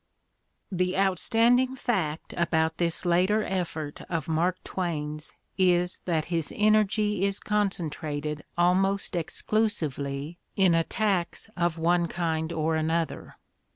The outstanding fact about this later effort of Mark Twain's is that his energy is concentrated almost exclu sively in attacks of one kind or another.